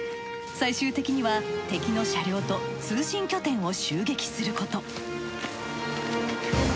最終的には敵の車両と通信拠点を襲撃すること。